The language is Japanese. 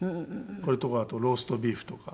これとかあとローストビーフとか。